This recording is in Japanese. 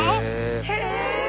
へえ！